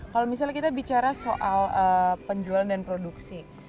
kalau misalnya kita bicara soal penjualan dan produksi